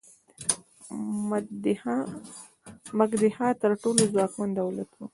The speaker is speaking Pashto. مګدها تر ټولو ځواکمن دولت و.